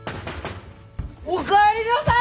・お帰りなさい！